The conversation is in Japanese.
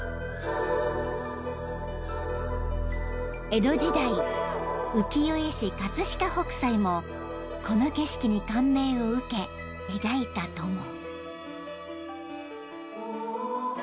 ［江戸時代浮世絵師葛飾北斎もこの景色に感銘を受け描いたとも］